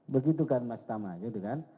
begitu kan mas tama gitu kan